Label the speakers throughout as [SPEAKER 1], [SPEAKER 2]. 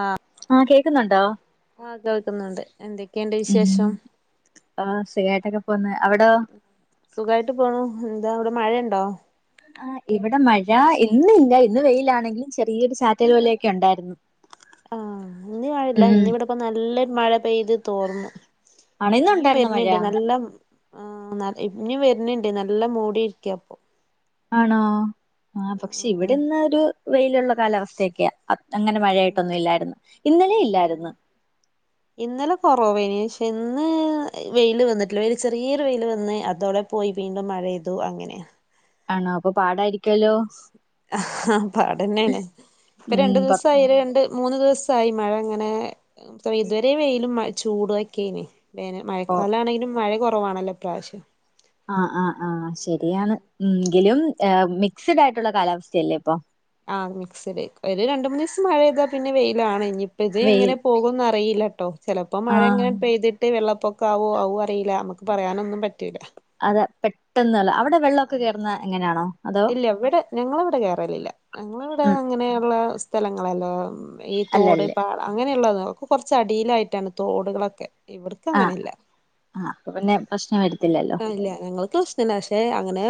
[SPEAKER 1] ആഹ്
[SPEAKER 2] ആഹ് കേക്കുന്നുണ്ടോ
[SPEAKER 1] ആ കേൾക്കുന്നുണ്ട് എന്ത എന്തൊക്കെ ഉണ്ട്
[SPEAKER 2] ഉം
[SPEAKER 1] വിശേഷം?
[SPEAKER 2] ആഹ് സുഖായിട്ടൊക്കെ പോന്ന് അവിടോ
[SPEAKER 1] സുഖായിട്ട് പോണു എന്താ അവിടെ മഴണ്ടോ?
[SPEAKER 2] ആഹ് ഇവിടെ മഴ ഇന്നില്ല ഇന്ന് വെയിലാണെങ്കിലും ചെറിയൊരു ചാറ്റൽ പോലൊക്കെ ഉണ്ടായിരുന്നു.
[SPEAKER 1] ആഹ് ഇന്ന് മഴല്ല
[SPEAKER 2] ഉം
[SPEAKER 1] ഇന്നിവിടെ ഇപ്പം നല്ലൊരു മഴ പെയ്ത് തോർന്നു.
[SPEAKER 2] ആണോ
[SPEAKER 1] ഇനിയും
[SPEAKER 2] ഇന്നുണ്ടായിരുന്നോ മഴ
[SPEAKER 1] വരുന്നുണ്ട് നല്ല ആഹ് ഇനി വരണിണ്ട് നല്ല മൂടി ഇരിക്ക ഇപ്പൊ.
[SPEAKER 2] ആണോ ആ പക്ഷെ
[SPEAKER 1] ആഹ്
[SPEAKER 2] ഇവിടെന്ന് ഒരു വെയിലുള്ള കാലാവസ്ഥയൊക്കെയ. അങ്ങനെ
[SPEAKER 1] ആഹ്
[SPEAKER 2] മഴയായിട്ടൊന്നും ഇല്ലായിരുന്നു ഇന്നലെ
[SPEAKER 1] ആഹ് ആഹ്
[SPEAKER 2] ഇല്ലായിരുന്നു.
[SPEAKER 1] ഇന്നലെ കൊറവയിന് പക്ഷെ ഇന്ന് വെയില് വന്നിട്ടില്ല വെയില് ചെറിയൊരു വെയില് വന്ന് അതോടെ പോയി വീണ്ടും മഴെയ്തു അങ്ങനെയാ
[SPEAKER 2] ആണോ? അപ്പം പാടായിരി
[SPEAKER 1] ഉം പാടെന്നാണ് ഇപ്പം രണ്ട്
[SPEAKER 2] ഉം പൊറ
[SPEAKER 1] ദിവസായി ഒര് രണ്ട് മൂന്ന് ദിവസായി മഴ ഇങ്ങനെ ഇതുവരെ വെയിലും ചൂടൊക്കെയ്നിം. വേന മഴക്കാലാണെങ്കിലും മഴ കൊറവാണല്ലോ ഇപ്രാവശ്യം.
[SPEAKER 2] ആഹ് ആ ആഹ് ശരിയാണ് എങ്കിലും ഏഹ് മിക്സഡ് ആയിട്ടുള്ള കാലാവസ്ഥയല്ലേ ഇപ്പൊ.
[SPEAKER 1] ആ മിക്സട് ഒരു രണ്ടു മൂന്ന് ദിവസം മഴെയ്താ പിന്നെ വെയിലാണ് ഇനിയിപ്പത്
[SPEAKER 2] വെയിൽ
[SPEAKER 1] എങ്ങനെ പോകോ ന്ന് അറിയില്ലട്ടോ ചെലപ്പം
[SPEAKER 2] ആഹ്
[SPEAKER 1] മഴഇങ്ങനെ പെയ്തിട്ട് ട്ട് വെള്ളപ്പൊക്ക ആവോ അതും അറിയില്ല നമുക്ക് പറയാനൊന്നും പറ്റൂല്ല.
[SPEAKER 2] അത പെട്ടെന്നല്ല അവിടെ വെള്ളക്കെ കേറുന്ന എങ്ങനെയാണോ അതൊ
[SPEAKER 1] ല്ല ഇവിടെ ഞങ്ങള ഇവിടെ കേറലില്ല ഞങ്ങളിവിടെ
[SPEAKER 2] ഉം
[SPEAKER 1] അങ്ങനെയുള്ള സ്ഥലങ്ങളല്ല. ഈ തോട്
[SPEAKER 2] അല്ലല്ല
[SPEAKER 1] പാട അങ്ങനെയുള്ളത് ഒക്കെ കൊറച്ചടിയിലായിട്ടാണ് തോടുകളൊക്കെ. ഇവിടക്ക്
[SPEAKER 2] ആഹ്
[SPEAKER 1] അങ്ങനെല്ല
[SPEAKER 2] ആഹ് അപ്പൊ പിന്നെ പ്രശ്നം വരത്തില്ലല്ലോ
[SPEAKER 1] ആ ഇല്ല ഞങ്ങൾക്ക് [unintelligible] [unintelligible] പക്ഷെ അങ്ങനെ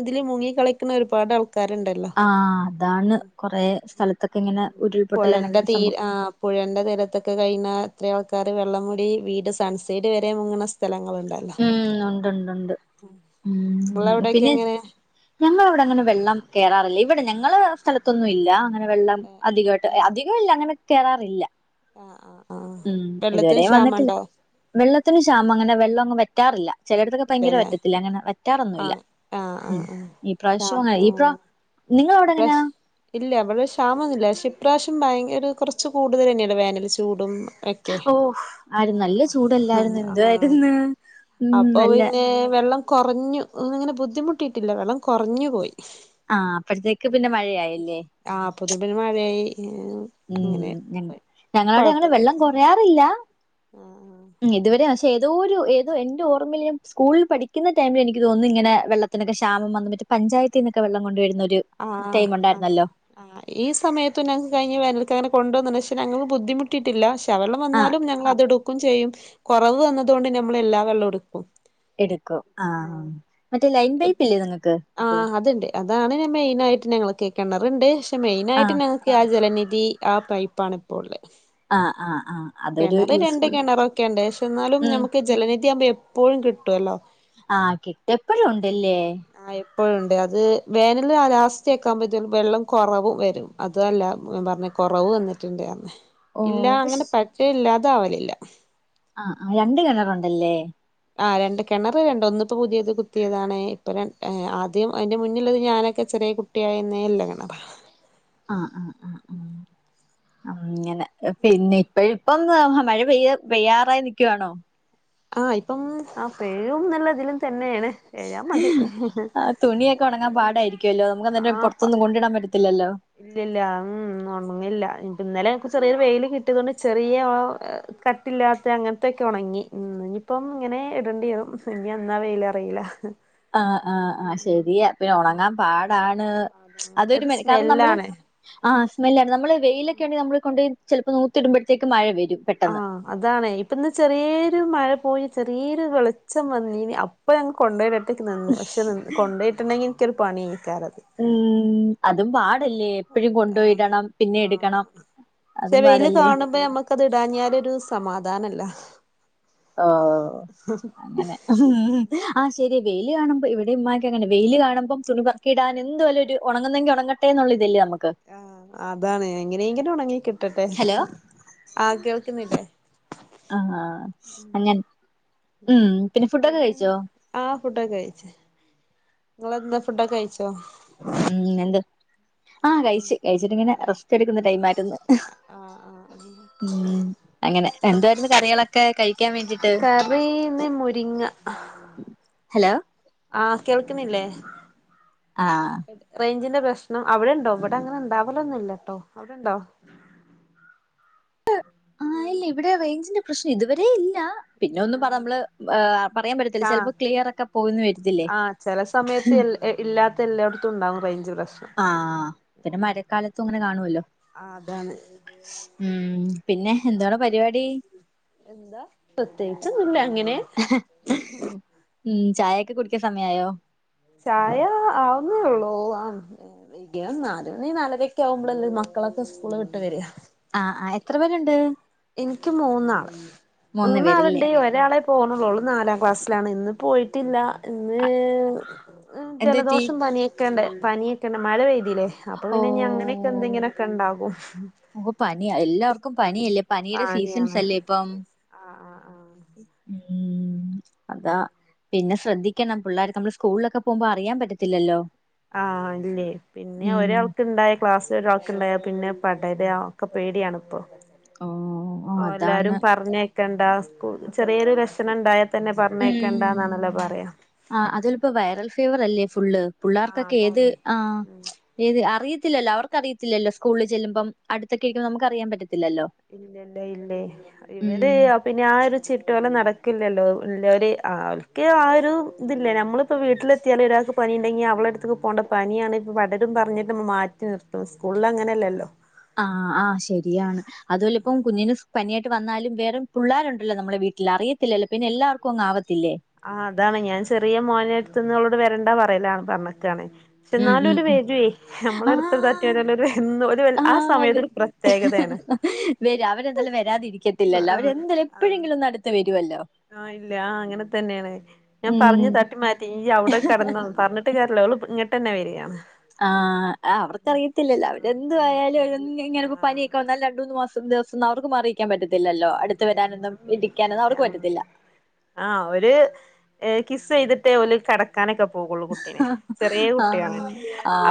[SPEAKER 1] ഇതില് മുങ്ങി കളിക്കുന്ന ഒരുപാട് ആൾക്കാ ആൾക്കാര്ണ്ടല്ലോ
[SPEAKER 2] ആഹ് അതാണ്
[SPEAKER 1] ഉം
[SPEAKER 2] കൊറെ സ്ഥലത്തൊക്കെ
[SPEAKER 1] ഉം
[SPEAKER 2] ഇങ്ങനെ ഉരുൾപൊട്ടൽ
[SPEAKER 1] പൊഴന്റെ
[SPEAKER 2] അങ്ങനത്തെക്കെ
[SPEAKER 1] തീര
[SPEAKER 2] സംഭവം
[SPEAKER 1] ആഹ്. പുഴന്റെ തീരത്തൊക്കെ കഴിയണഎത്രയോ ആൾക്കാര് വെള്ളം കൂടി വീട് സൺസൈഡ് വരെ മുങ്ങണ സ്ഥലങ്ങളുണ്ട്.
[SPEAKER 2] ഊം ഉണ്ട്ണ്ട് ഉണ്ട്
[SPEAKER 1] നിങ്ങള
[SPEAKER 2] ഉം
[SPEAKER 1] അവിടെക്കെ
[SPEAKER 2] പിന്നെ
[SPEAKER 1] എങ്ങനെ
[SPEAKER 2] ഞങ്ങള ഇവിടെ അങ്ങനെ വെള്ളം കേറാറില്ലേ ഇവിടെ ഞങ്ങള സ്ഥലത്തൊന്നും ഇല്ല അങ്ങന. അ വെള്ളം
[SPEAKER 1] ഏ
[SPEAKER 2] അധികയിട്ട് അധികം ഇല്ല അങ്ങനെ കേറാറില്ല.
[SPEAKER 1] ആഹ് ആഹ് ആ
[SPEAKER 2] ഉം
[SPEAKER 1] വെള്ളത്തിന്
[SPEAKER 2] ഇതുവരെ വന്നിട്ടില്ല
[SPEAKER 1] ക്ഷാമണ്ടോ
[SPEAKER 2] വെള്ളത്തിന് ക്ഷാമം അങ്ങനെ വെള്ളം അങ്ങ് വറ്റാറില്ല. ചെലടത്തൊക്കെ ഭയങ്കര
[SPEAKER 1] ഇല്ലല്ലേ
[SPEAKER 2] വറ്റത്തില്ല അങ്ങനെ വറ്റാറൊന്നുല്ല
[SPEAKER 1] ആഹ് ആഹ് ആഹ്
[SPEAKER 2] ഉം
[SPEAKER 1] ആഹ്
[SPEAKER 2] ഈ പ്രാവശ്യം അങ്ങനെ ഇപ്ര
[SPEAKER 1] ഇപ്രാവശ് ഇല്ല ഇവിടെ ക്ഷാമൊന്നുല്ല പക്ഷെ ഇപ്രാവശ്യം ഭയങ്കര കൊറച്ച് കൂടുതൽ തന്നെയല്ലെ വേനൽ ചൂടും ഒക്കെ
[SPEAKER 2] ഓഹ് ആര് നല്ല ചൂടല്ലായിരുന്നു
[SPEAKER 1] ആഹ് ആഹ്
[SPEAKER 2] എന്തായിരുന്ന്
[SPEAKER 1] അപ്പൊ പിന്നെ വെള്ളം കൊറഞ്ഞു ഇങ്ങനെ ബുദ്ധിമുട്ടിട്ടില്ല വെള്ളം കൊറഞ്ഞു പോയി.
[SPEAKER 2] ആഹ് അപ്പഴത്തേക്ക് പിന്നെ മഴയായല്ലേ
[SPEAKER 1] ആഹ് അപ്പോത്തിന് പിന്നെ മഴയായി അങ്ങനെ
[SPEAKER 2] ഊം ഞ
[SPEAKER 1] പോയി
[SPEAKER 2] ഞങ്ങളവടെ അങ്ങനെ വെള്ളം
[SPEAKER 1] കൊഴപ്പൊന്നുല്ല
[SPEAKER 2] കൊറയാറില്ല.
[SPEAKER 1] ആഹ് ആഹ്
[SPEAKER 2] ഇതുവരെ പക്ഷേ ഏതോ ഒരു ഏതോ ഇതുവരെ എന്റെ ഓർമ്മയില് ഞാൻ സ്കൂളിൽ പഠിക്കുന്ന ടൈമില് എനിക്ക് തോന്നുന്നു ഇങ്ങനെ വെള്ളത്തി ഇങ്ങനെ ഒക്കെ ക്ഷാമം വന്ന് പഞ്ചത്തിൽ നിന്നക്കെ വെള്ളം കൊണ്ടുവരുന്നോര്
[SPEAKER 1] ആഹ് ആണോ ആ ഈ സമയത്ത് ഞങ്ങ കഴിഞ്ഞ വേനൽക്ക അങ്ങനെ കൊണ്ടുവന്നു പക്ഷെ ഞങ്ങൾ ബുദ്ധിമുട്ടിയിട്ടില്ല [unintelligible] വെള്ളം
[SPEAKER 2] ആഹ്
[SPEAKER 1] വന്നാലും ഞങ്ങൾ അതെടുക്കും ചെയ്യും കുറവ് വന്നതു കൊണ്ട് ഞമ്മൾ എല്ലാ വെള്ളം എടുക്കും
[SPEAKER 2] എടുക്കോ ആഹ് മറ്റേ ലൈൻ പൈപ്പ് ഇല്ലേ നിങ്ങൾക്ക്
[SPEAKER 1] ആഹ് അത്ണ്ട് അതാണ് ഞാൻ മെയിൻ ആയിട്ട് ഞങ്ങൾക്ക് കിണറുണ്ട് പക്ഷെ മെയിനയിട്ട്
[SPEAKER 2] ആഹ്
[SPEAKER 1] ഞങ്ങ എനിക്കി ആഹ് ജലനിധി ആ പൈപ്പാണ് ഇപ്പോൾ ഉള്ളെ
[SPEAKER 2] ആഹ് ആഹ് ആഹ് അതൊരു
[SPEAKER 1] കിണറ് രണ്ട്
[SPEAKER 2] യൂസ്ഫുൾ
[SPEAKER 1] കിണറൊക്കെ ഉണ്ട് പക്ഷെ എന്നാലും
[SPEAKER 2] ഉം
[SPEAKER 1] നമുക്ക് ജലനിധിയാവുമ്പോ എപ്പോഴും കിട്ടോല്ലോ
[SPEAKER 2] ആഹ് കിട്ട എപ്പഴും ഉണ്ടെല്ലേ
[SPEAKER 1] ആ എപ്പഴുണ്ട് അത് വേനൽ ലാസ്റ്റൊക്കെ ആവുപൊ ചെലപ്പ വെള്ളം കുറവ് വരും അതു അല്ല ഞാൻ പറഞ്ഞെ കുറവ് വന്നിട്ടുണ്ട്
[SPEAKER 2] ഓ
[SPEAKER 1] ഇല്ല
[SPEAKER 2] പഷ്
[SPEAKER 1] അങ്ങനെ പറ്റെ ഇല്ലാതെ ആവലില്ല
[SPEAKER 2] ആഹ് ആഹ് രണ്ട് കിണറുണ്ടലെ
[SPEAKER 1] ആഹ് രണ്ട് കിണർ രണ്ട് ഒന്നിപ്പോ പുതിയത് കുത്തിയതാണെ ഇപ്പൊ രാൺ ആദ്യം അതിന്റെ മുനെയുള്ളത് ഞാനൊക്കെ ചെറിയ കു ചെറിയ കുട്ടി ആയിരുന്നേ ഉള്ള കിണറ
[SPEAKER 2] ആഹ് ആഹ് ആഹ് ആഹ് മ്മ് അങ്ങനെ പിന്നെ ഇപ്പഴിപ്പോ [inaudible] മഴ പെയ്യ പെയ്യാറായി നിൽക്കുവാണോ
[SPEAKER 1] ആ ഇപ്പം ആ പെഴും എന്നുള്ളതിലും തന്നെണ്
[SPEAKER 2] ആഹ് തുണിയൊക്കെ ഉണങ്ങാൻ പാടായിരിക്കുല്ലോ നമുക്ക് അന്നേരം പുറത്തൊന്നും കൊണ്ടിടാൻ പറ്റത്തില്ലല്ലോ
[SPEAKER 1] ഇല്ലല്ല ഉ ഉണങ്ങില്ല ഇന്നലെ എനിക്ക് ചെറിയ വെയില് കിട്ടിയതുകൊണ്ട് ചെറിയ ആ കട്ടില്ലാത്ത അങ്ങനത്തെക്കെ ഉണങ്ങി ഇനിയിപ്പം ഇങ്ങനെ ഇടേണ്ടി വരും ഇനി എന്നാ വെയിൽ അറിയില്ല
[SPEAKER 2] ആഹ് ആഹ് ആഹ് ശരിയാ പിന്നെ ഉണങ്ങാൻ പാടാണ് അതൊരു
[SPEAKER 1] ഒരു
[SPEAKER 2] മെനക്കെ കാരണം നമ്മള്
[SPEAKER 1] സ്മെല്ലാണ്
[SPEAKER 2] ആഹ് സ്മെല്ലണ് നമ്മള് വെയിലൊക്കെ ഇണ്ടെഗിൽ നമ്മള് കൊണ്ട് ചിലപ്പോ നിവർത്തി ഇടുമ്പോഴത്തേക്കും മഴ വരും
[SPEAKER 1] ആ
[SPEAKER 2] പെട്ടെന്ന്
[SPEAKER 1] അതാണേ ഇപ്പ ഇന്ന് ചെറിയൊരു മഴ പോയി ചെറിയൊരു വെളച്ചം വന്നി ഇപ്പ ഞങ്ങൾ കൊണ്ടോയിട്ട്ക്ക് നിന്ന് പക്ഷെ കൊണ്ട് പോയിട്ടുണ്ടെങ്കിൽ എനിക്കൊരു പണി
[SPEAKER 2] മ്മ് അതും പാഡാ പാടല്ലേ എപ്പഴും കൊണ്ടോയി
[SPEAKER 1] ആഹ്
[SPEAKER 2] ഇടണം പിന്നെ
[SPEAKER 1] ആഹ്
[SPEAKER 2] എടുക്കണം
[SPEAKER 1] അതാണ്
[SPEAKER 2] അതും പാടല്ലേ
[SPEAKER 1] ത് ഇടാഞ്ഞാൽ ഒരു സമാധാനല്ല
[SPEAKER 2] ആഹ് അങ്ങനെ ആഹ് ശരിയ വെയില് കാണുമ്പ ഇവിടെ ഉമ്മാക്ക് അങ്ങനെ വെയില് കാണുമ്പം തുണി പറക്കി ഇടാൻ എന്തുവായാലും ഒരു ഉണങ്ങുന്നെങ്കി ഉണങ്ങട്ടെ ന്ന് ഒരു ഇത് അല്ലെ നമുക്ക്
[SPEAKER 1] ആഹ് അതാണ് എങ്ങനെങ്കില്ലും ഉണങ്ങി കിട്ടട്ടെ
[SPEAKER 2] ഹലോ
[SPEAKER 1] ആഹ് കേൾക്കുന്നിലെ
[SPEAKER 2] ആഹ് അങ്ങാൻ മ്മ് പിന്നെ ഫുഡൊക്കെ കഴിച്ചോ
[SPEAKER 1] ആഹ് ഫുഡൊക്കെ കഴിച് നിങ്ങൾ എന്താ ഫുഡൊക്കെ കഴിച്ചോ
[SPEAKER 2] മ്മ് പിന്നെ എന്ത് ആഹ് കഴിച്ച് കഴിച്ചിട്ട് ഇങ്ങനെ
[SPEAKER 1] ഏഹ്
[SPEAKER 2] റെസ്റ്റ് എടുക്കുന്ന ടൈം ആയിരുന്നു
[SPEAKER 1] ആഹ് ആഹ്
[SPEAKER 2] മ്മ് അങ്ങനെ എന്തായിരുന്നു കറികള്ളൊക്കെ കഴി
[SPEAKER 1] കറി ഇന്ന് മുരിങ്ങ
[SPEAKER 2] ഹലോ
[SPEAKER 1] ആഹ് കേൾക്കുന്നില്ലേ
[SPEAKER 2] ആഹ്
[SPEAKER 1] റേഞ്ചിന്റെ പ്രശ്നം അവിടെ ഉണ്ടോ ഇവിടെ അങ്ങനെ ഉണ്ടാവല്ലൊന്നും ഇല്ലാട്ടോ അവിടെണ്ടോ
[SPEAKER 2] ആഹ് ഇല്ല ഇവിടെ റേഞ്ചിന്റെ പ്രശ്നം ഇതുവരെ ഇല്ല പിന്നെ ഒന്നും പറ
[SPEAKER 1] ആഹ്
[SPEAKER 2] നമ്മള് പറയാൻ പറ്റത്തില്ല
[SPEAKER 1] ആഹ്
[SPEAKER 2] ചിലപ്പോ ക്ലിയർ ഒക്കെ പോയിന്ന് വരത്തില്ലേ
[SPEAKER 1] ആഹ് ചില സമയത്ത് എൽ ഇല്ലാത്ത എല്ലായിടത്തും ഉണ്ടാകും റേഞ്ചിന്റെ പ്രശ്നം
[SPEAKER 2] ആഹ് പിന്നെ മഴക്കാലത്തും അങ്ങനെ കാണുല്ലോ
[SPEAKER 1] ആഹ് അതാണ്
[SPEAKER 2] ഇം പിന്നെ എന്തുവാണ് പരിപാടി
[SPEAKER 1] എന്താ പ്രത്യേകിച്ച് ഒന്നുല്ല അങ്ങനെ
[SPEAKER 2] ഉം ചായേക്കെ കുടിക്കാൻ സമയായോ
[SPEAKER 1] ചായ ആവുന്നെ ഉള്ളു ആഹ് ഇല്ല്യ നാലുമണി നാലരൊക്കെ ആവുമ്പളല്ലേ മക്കളൊക്കെ സ്കൂള് വിട്ട് വെരാ
[SPEAKER 2] ആഹ് ആഹ് എത്ര പേര്ണ്ട്
[SPEAKER 1] ഇൻക്ക് മൂന്നാള്
[SPEAKER 2] പേരില്ലേ
[SPEAKER 1] മൂന്നാളിണ്ട് ഒരാള് പൊന്നുള്ളൂ ഓളു നാലാം ക്ലാസ്സിലാണ് ഇന്ന് പോയിട്ടില്ല ഇന്നേ
[SPEAKER 2] എന്ത് പറ്റി
[SPEAKER 1] ജലദോഷം പനിയൊക്കെണ്ടേ പനി തിക്ക മഴ പെയ്തില്ലേ അപ്പ
[SPEAKER 2] ഓ
[SPEAKER 1] പിന്നെ അങ്ങനെയൊക്കെ എന്തെങ്ങനെയൊക്കെ ഉണ്ടാകും
[SPEAKER 2] മോക്ക് പനിയാ എല്ലാർക്കും പനിയല്ലേ പനിയുടെ
[SPEAKER 1] ആഹ്
[SPEAKER 2] സീസൺസ്
[SPEAKER 1] അനിയാണ് യെസ് ആഹ് ആഹ് ആഹ്
[SPEAKER 2] ഉ ഉം ഉം അതാ പിന്നെ ശ്രദ്ധിക്കണം പിള്ളേര് നമ്മള് സ്കൂളിലൊക്കെ പോവുമ്പോ അറിയാൻ പറ്റത്തില്ലല്ലോ
[SPEAKER 1] ആഹ് ഇല്ലേ പിന്നെ
[SPEAKER 2] ഉം
[SPEAKER 1] ഒരാൾക്ക് ഇണ്ടായ ക്ലാസ്സിലൊരാൾ‌ക്കിണ്ടായ പിന്നെ പടര ഒക്കെ പേടിയാണിപ്പൊ
[SPEAKER 2] കോ
[SPEAKER 1] ഓഹ് എല്ലാരും പറഞ്ഞയക്കണ്ടാ സ്കൂൾല് ചെറിയൊരു ലക്ഷണം എണ്ടായ തന്നെ
[SPEAKER 2] ഉം
[SPEAKER 1] പറഞ്ഞയ്ക്കണ്ടാന്നാണല്ലോ പറയാ
[SPEAKER 2] ആഹ് അതു അല്ലിപ്പോ വൈറൽ ഫീവർ അല്ലേ ഫുള്ള്
[SPEAKER 1] ആഹ്
[SPEAKER 2] പുള്ളാർക്കൊക്കെ ഏത്
[SPEAKER 1] അതാണ്
[SPEAKER 2] ആഹ്
[SPEAKER 1] ഉം
[SPEAKER 2] ഏത് അറിയത്തില്ലോ അവർക്കറിയത്തില്ലല്ലോ സ്കൂളില് ചെല്ലുമ്പം അടുത്തൊക്കെ ഇരിക്കുന്ന നമുക്കറിയാൻ പറ്റത്തില്ലല്ലോ.
[SPEAKER 1] ഇല്ലില്ല ഇല്ലേ ഇവര്
[SPEAKER 2] ഉം
[SPEAKER 1] അ പിന്നെ ആ ഒരു ചിട്ടകള് നടക്കില്ലല്ലോ ഇല്ലോര് ആൾക്ക് ആഹ് ഒരു ഇതില്ലേ നമ്മളു ഇപ്പം വീട്ടിലെത്തിയാലും ഒരാൾക്ക് പനീണ്ടെണ്ടെങ്കിൽ അവളടടുത്തേക്ക് പോണ്ടാ പനിയാണ് ഇപ്പം പടരും പറഞ്ഞിട്ട് നമ്മ മാറ്റി നിർത്ത് പ്പൊ സ്കൂളില് അങ്ങനെല്ലല്ലോ
[SPEAKER 2] ആഹ് ആഹ് ശരിയാണ് അതു അല്ലിപ്പം കുഞ്ഞിന് പനിയായിട്ട് വന്നാലും വേറിം പുള്ളാരുണ്ടല്ലോ നമ്മളെ വീട്ടിൽ അറിയത്തില്ലല്ലോ പിന്നെ എല്ലാർക്കും അങ്ങ് ആവത്തില്ലേ
[SPEAKER 1] ആഹ് അതാണ് ഞാൻ ചെറിയ മോനെ എടുത്തൂന്നവളോട് വരണ്ടാ പറയലാണ് പറഞ്ഞക്കാണ്
[SPEAKER 2] ഉം
[SPEAKER 1] എന്നാലും
[SPEAKER 2] ഉം
[SPEAKER 1] എന്റെ
[SPEAKER 2] ഉം
[SPEAKER 1] വേജുവേ നമ്മളടുത്ത്
[SPEAKER 2] ആഹ്
[SPEAKER 1] തറ്റിയിലൊരു എന്നും ഒരു കൊല്ല് ആ
[SPEAKER 2] ആഹ് വെ
[SPEAKER 1] സമയത്തൊരു
[SPEAKER 2] വരും അവരെന്താലും വരാതിരിക്കത്തില്ലല്ലോ
[SPEAKER 1] ആഹ്
[SPEAKER 2] അവരെന്താലും
[SPEAKER 1] ആഹ്
[SPEAKER 2] എപ്പഴെങ്കിലു ഒന്ന് അടുത്ത് വരുവല്ലോ
[SPEAKER 1] ആഹ് ഇല്ല ആഹ് അങ്ങനെ തന്നേണ് ഞാൻ
[SPEAKER 2] ഉം
[SPEAKER 1] പറഞ്ഞതട്ടി മാറ്റി യീ അവിടെ കെടന്നോ പറഞ്ഞിട്ട് ങ്ങട്ട് കേറലില്ല ഓള് ഇങ്ങട്ടെന്നെ വെരാണ്
[SPEAKER 2] ആഹ് ആ അവർക്കറിയത്തില്ലല്ലോ
[SPEAKER 1] ആഹ്
[SPEAKER 2] അവരെന്തു ആയാലും ഇഹ്
[SPEAKER 1] ആഹ്
[SPEAKER 2] ഇങ്ങനെ
[SPEAKER 1] ആഹ്
[SPEAKER 2] ഇപ്പോ
[SPEAKER 1] ആഹ്
[SPEAKER 2] പനിയൊക്കെ വന്നാലും രണ്ടു മൂന്ന് മാസം ദെസ് അവർക്ക് മാറി നിക്കാൻ പറ്റത്തില്ലല്ലോ അടുത്തു
[SPEAKER 1] ഇല്ല
[SPEAKER 2] വരാനൊന്നും
[SPEAKER 1] ഉം
[SPEAKER 2] ഇടിക്കാനൊന്നും
[SPEAKER 1] ഇല്ല
[SPEAKER 2] അവർക്ക്
[SPEAKER 1] ഉം
[SPEAKER 2] പറ്റത്തില്ല
[SPEAKER 1] ആഹ് അവര് ഏഹ് കിസ്സെയ്തിട്ടേ ഓല് കെട ക്കാനൊക്കെ പോകൊള്ളൂ കുട്ടിനെ ചെറിയ കുട്ടിയാണ്
[SPEAKER 2] ആഹ്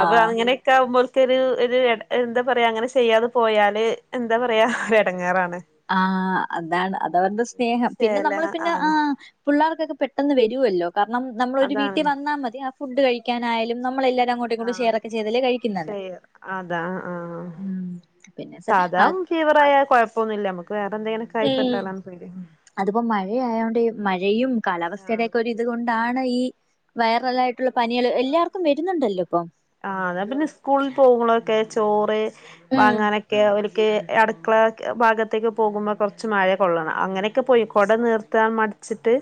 [SPEAKER 1] അപ്പൊ അങ്ങനെ ക്കാവുമ്പോൽക്കൊരു ഒര് എട എന്താ പറയാ അങ്ങനെ ചെയ്യാതെ പോയാല് എന്താ പറയാ എടങ്ങേറാണ്
[SPEAKER 2] ആഹ് അതാണ് അതവരുടെ സ്നേഹം പിന്നെ
[SPEAKER 1] ചേല
[SPEAKER 2] നമ്മള് പിന്നെ
[SPEAKER 1] ആണ്
[SPEAKER 2] ആഹ് പുള്ളാർക്കൊക്കെ പെട്ടെന്ന് വെരുവല്ലോ കാരണം നമ്മളൊര് വീട്ടി
[SPEAKER 1] അതാണ്
[SPEAKER 2] വന്നാ മതി അ ഫുഡ് കഴിക്കാനായാലും നമ്മളെല്ലാരും അങ്ങോ ട്ടുംഇങ്ങോട്ടും കൂടെ
[SPEAKER 1] ആഹ്
[SPEAKER 2] ഷെയറൊക്കെ ചെയ്തല്ലേ കഴിക്കുന്നത്
[SPEAKER 1] ഷെയർ അതാ ആഹ്
[SPEAKER 2] ഉം പിന്നെ സ അ
[SPEAKER 1] ഫീവറായ കുഴപ്പൊന്നുല്ല നമക്ക് വേറെ എന്തെങ്കിലൊക്കെ
[SPEAKER 2] ഉം
[SPEAKER 1] ആയിപെട്ടാലാണ് പേടി
[SPEAKER 2] അതിപ്പോ മഴയായോണ്ട് ഈ മഴയും
[SPEAKER 1] ആഹ്
[SPEAKER 2] കാലാവസ്ഥേടേക്കൊരു ഇതുകൊണ്ടാണ് ഈ വൈറലായി ട്ടുളള പനിയൾ എല്ലാർക്കും വരുന്നുണ്ടല്ലോ ഇപ്പം.
[SPEAKER 1] ആഹ് അതാ പിന്നെ സ്കൂളിൽ പോകണോർക് ചോറ് വാങ്ങാനെക്കെ ഓലി ക്കേ അടക്കളക് ഭാഗത്തേക്ക് പോകുമ്പ കെ അടുക്കള ഭാഗത്തേക്ക് പോകുമ്പോൾ കൊറച്ച് മഴ കൊള്ളണം അങ്ങനെയൊക്കെ പയിക്കോടെ നിർത്താൻ മടുത് ച്ചിട്ട്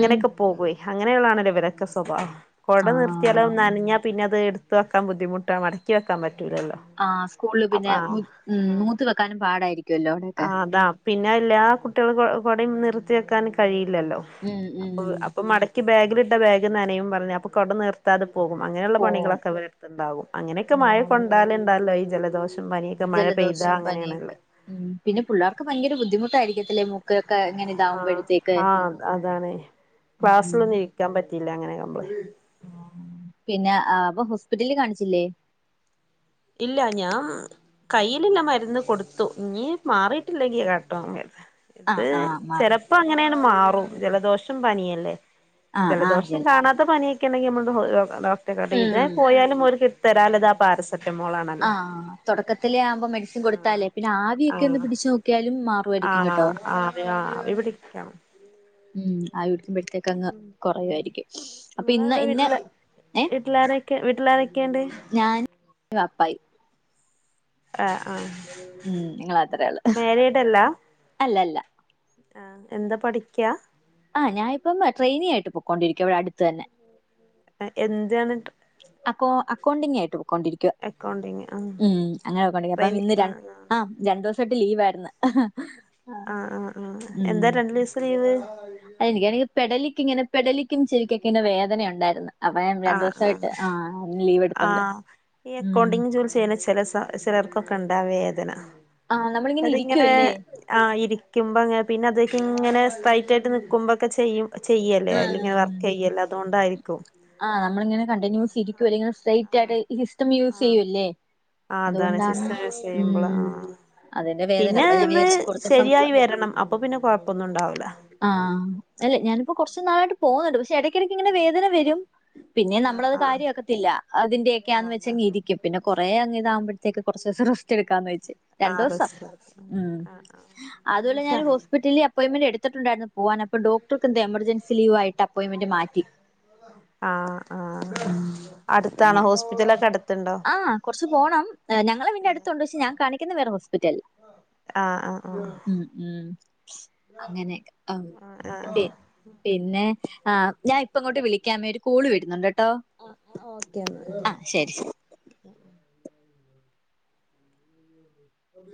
[SPEAKER 2] ഉം
[SPEAKER 1] പോകേയ് അങ്ങനെയൊള്ളയാണല്ലോ ഇവരൊക്കെ സ്വഭാവം കൊട നിർത്തിയാലോ
[SPEAKER 2] ആഹ്
[SPEAKER 1] നനഞ്ഞാ പിന്നെ അത് എടു ത്ത് വെക്കാൻ ബുദ്ധിമുട്ടാ മടക്കിവെക്കാൻ പറ്റൂലല്ലോ
[SPEAKER 2] ആഹ് സ്കൂളില്
[SPEAKER 1] അപ്പ
[SPEAKER 2] പിന്നെ നൂ
[SPEAKER 1] ആഹ്
[SPEAKER 2] ഇം
[SPEAKER 1] ആഹ്
[SPEAKER 2] നൂത്ത് വെക്കാനും പാടായിരിക്കുവല്ലോ അവിടെക്കെ
[SPEAKER 1] ആഹ് അതാ പിന്നെ എല്ലാ കുട്ടികൾക്കും കൊടയും നിർത്തി വെയ്ക്കാൻ കഴിയില്ലല്ലോ
[SPEAKER 2] ഉം ഉം
[SPEAKER 1] അപ്പൊ അപ്പ മടക്കി ബാഗിലിട്ട ബാഗ് നെനയും പറഞ്ഞു അപ്പ കൊട നീർ ത്താതെ പോകും. അങ്ങനെയുള്ള
[SPEAKER 2] പോവും
[SPEAKER 1] പണികളൊക്കെ ഇവരെടത്തിണ്ടാവും. അങ്ങനേക്ക മഴ
[SPEAKER 2] ഓഹ്
[SPEAKER 1] കൊണ്ടാലെന്താല്ലെ ഈ ജലദോഷം, പനി മഴ പെയ്താ അങ്ങനേണല്ലോ?
[SPEAKER 2] പിന്ന പുള്ളാർക്ക്‌ ഭയങ്കര ബുദ്ധിമുട്ടായിരിക്കത്തില്ലേ മു
[SPEAKER 1] ആഹ് ആഹ് അതാണ്
[SPEAKER 2] ഉം
[SPEAKER 1] ക്ലാസ്സിലൊന്നും ഇരിക്കാൻ പറ്റില്ല അങ്ങനെ ആവുമ്പളെ
[SPEAKER 2] പിന്നാ ആഹ് അപ്പ ഹോസ്പിറ്റലില് കാണിച്ചില്ലേ
[SPEAKER 1] ഇല്ല ഞാ കയ്യിലില്ല മരുന്ന് കൊടുത്തു ഇനീ മാറിട്ടില്ലെങ്കിലാട്ടോ [inaudible]
[SPEAKER 2] ആഹ്
[SPEAKER 1] ഇത്
[SPEAKER 2] ആഹ് മാ
[SPEAKER 1] ചെലപ്പൊ അങ്ങനെയണ് മാറും ജലദോഷം പനിയല്ലേ.
[SPEAKER 2] ആഹ് ആഹ്
[SPEAKER 1] ജലദോഷം
[SPEAKER 2] ജൽ
[SPEAKER 1] കാണാത്ത പനിയൊക്കേണെങ്കി നമ്മള് ഡോക്ടറെ പോയോക്ക. ഇത്
[SPEAKER 2] ഉം
[SPEAKER 1] പോയാലും ഓല്- തരാല്ലത് ആ പാരസ റ്റ മോളാണ്
[SPEAKER 2] ആഹ് തൊടക്കത്തിലെ ആവുമ്പോ മെഡിസിൻ
[SPEAKER 1] ആഹ്
[SPEAKER 2] കൊടുത്താലേ പിന്നെ ആവിയൊക്കെയൊന്നു
[SPEAKER 1] ആഹ്
[SPEAKER 2] പിടിച്ചു നോക്കിയാലും മാറുമായിരിക്കും
[SPEAKER 1] ആഹ്
[SPEAKER 2] കേട്ടോ.
[SPEAKER 1] ആഹ് ആവിപിടിക്കാം.
[SPEAKER 2] ഉം ആവി പിടിക്കുംമ്പോഴത്തേക്ക് അങ്ങ് കൊറയുയാരിക്കും അപ്പൊ ഇന്ന്
[SPEAKER 1] നിങ്ങളവിടെ
[SPEAKER 2] ഇന്ന-
[SPEAKER 1] വീട്ടില് വീട്ടിലാരൊക്കെ വീട്ടിലാരൊക്കെയുണ്ട്
[SPEAKER 2] ഞാനും [unintelligible]
[SPEAKER 1] എ [unintelligible] ആഹ്
[SPEAKER 2] ഉം നിങ്ങളത്രേയുള്ളൂ അല്ല അല്ല
[SPEAKER 1] ആ എന്താ പഠിക്ക്യാ
[SPEAKER 2] ആ ഞാനിപ്പം ട്രെയിനിയായിട്ട് പൊക്കൊണ്ടിരിക്കുവാ ഇവിടെ അടുത്ത്തന്നെ.
[SPEAKER 1] എന്താണ് ട്രെയി-
[SPEAKER 2] അക്കോ അക്കൗണ്ടിങ്ങായിട്ട് പൊക്കൊണ്ടിരിക്കുവ
[SPEAKER 1] അക്കൗണ്ടിങ് ആ
[SPEAKER 2] ഉം അങ്ങനെ അക്കൗണ്ടിങ് അപ്പ
[SPEAKER 1] ട്രെയിനി
[SPEAKER 2] ഇന്ന്
[SPEAKER 1] ആ
[SPEAKER 2] ര ആ രണ്ടു ദിവസായിട്ട് ലീവായിരുന്നു.
[SPEAKER 1] ആഹ് ആഹ് ആഹ് എന്താ രണ്ടു ദിവസം ലീവ്
[SPEAKER 2] എനിക്കാണെങ്കിൽ പെടലിക്കിങ്ങനെ പെടലിക്കും ചെവിക്കൊക്കെങ്ങനെ വേദനണ്ടായിരുന്നു. അപ്പ ഞാൻ
[SPEAKER 1] ആ
[SPEAKER 2] രണ്ടു
[SPEAKER 1] ആ
[SPEAKER 2] ദിവസായിട്ട് ആഹ് ലീവ്
[SPEAKER 1] ആ
[SPEAKER 2] എടുത്തോണ്ട്
[SPEAKER 1] ഈ അക്കൗണ്ടിങ് ജോലി ചെയ്യ്ണ ചെല ചെലർക്കൊക്കെണ്ടാ വേദന
[SPEAKER 2] ആഹ് നമ്മളിങ്ങനെ ഇരിക്കുവല്ലേ
[SPEAKER 1] അതിങ്ങനെ- ആ ഇരിക്കുമ്പോ ഇങ്ങനെ പിന്നെ അതൊക്കെ ഇങ്ങനെ സ്ട്രൈറ്റായിട്ട് നിക്കുമ്പൊക്കെ ചെയ്യും ചെയ്യല്ലേ
[SPEAKER 2] ആഹ്
[SPEAKER 1] അയ്ലിങ്ങനെ വർക്കെയ്യല്ലെ അതോണ്ടായിരിക്കും.
[SPEAKER 2] ആഹ് നമ്മളിങ്ങനെ കണ്ടിന്യൂസ് ഇരിക്കുവല്ലേ ഇങ്ങനെ
[SPEAKER 1] ആ
[SPEAKER 2] സ്ട്രെറ്റായിട്ടീ സിസ്റ്റം യൂസ്
[SPEAKER 1] ആ
[SPEAKER 2] ചെയ്യുവല്ലേ.
[SPEAKER 1] ആ അതാണ്
[SPEAKER 2] അതുകൊണ്ടാണ്
[SPEAKER 1] സിസ്റ്റം യൂസെയ്യുമ്പള്
[SPEAKER 2] ഉം
[SPEAKER 1] ആഹ്
[SPEAKER 2] അതിന്റെ വേദന
[SPEAKER 1] പിന്നെ
[SPEAKER 2] അപ്പൊ ഞാൻ
[SPEAKER 1] ഒന്ന്
[SPEAKER 2] വിചാരിച്ച് കുറച്ചൂസം
[SPEAKER 1] ശരിയായി വരണം അപ്പൊ പിന്നെ കൊഴപ്പൊന്നുംണ്ടാവൂല.
[SPEAKER 2] ആഹ് അല്ല ഞാനിപ്പോ കൊർച്ച് നാളായിട്ട് പോകുന്നുണ്ട് പക്ഷെ ഇടയ്ക്കിടക്കിങ്ങനെ വേദന വരും. പിന്നെ
[SPEAKER 1] ആ
[SPEAKER 2] നമ്മളത്
[SPEAKER 1] ആ
[SPEAKER 2] കാര്യാക്കത്തില്ല. അതിന്റെയൊക്കെന്ന്
[SPEAKER 1] ആന്ന്
[SPEAKER 2] വെച്ചിരിക്കും. പിന്നെ കൊറേ അങ്ങ് ഇതാവുമ്പ- ക്ക് കൊറച്ചു ദെവസം റെസ്റ്റെട്ക്കാന്ന് വെച്ച്.
[SPEAKER 1] ആ
[SPEAKER 2] രണ്ട് ദെവസം
[SPEAKER 1] റിസ്ക്
[SPEAKER 2] ഉം
[SPEAKER 1] ആ ആ
[SPEAKER 2] അതോലെ ഞാനൊരു ഹോസ്പിറ്റലില് അപ്പോയിന്മെന്റ് എടുത്തിട്ടുണ്ടായിരുന്നു. പോവാനപ്പൊ ഡോക്ടർക്കെന്തോ എമർജൻസി ലീവായിട്ട് അപ്പോയിമെന്റ് മാറ്റി.
[SPEAKER 1] ആഹ് ആഹ്
[SPEAKER 2] ഉം അങ്ങനെ
[SPEAKER 1] അടുത്താണോ ഹോസ്പിറ്റലൊക്കെ അട്ത്ത്ണ്ടോ?
[SPEAKER 2] ആ കൊറച്ച് പോണം ഞങ്ങളെ വീടിന്റെ അടുത്ത് ഇണ്ട് പക്ഷെ ഞാൻ കാണിക്കുന്ന വേറെ ഹോസ്പിറ്റലിലാ.
[SPEAKER 1] ആഹ് ആഹ് ആഹ്.
[SPEAKER 2] ഉം അങ്ങനെ ആ ശരി പിന്നെ ആഹ് ഞാൻ ഇപ്പങ്ങോട്ട് വിളിക്കാമേ ഒരു കോള് വരുന്നുണ്ട്ട്ടോ.
[SPEAKER 1] ആഹ് ഓക്കെ [unintelligible]